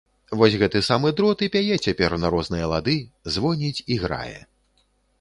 Вось гэты самы дрот і пяе цяпер на розныя лады, звоніць і грае.